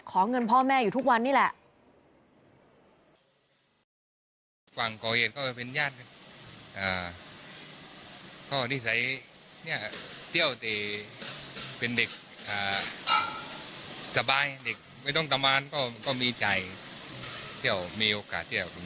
เงินพ่อแม่อยู่ทุกวันนี้แหละ